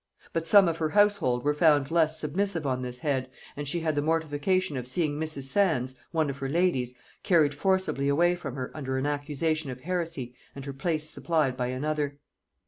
But some of her household were found less submissive on this head, and she had the mortification of seeing Mrs. Sands, one of her ladies, carried forcibly away from her under an accusation of heresy and her place supplied by another.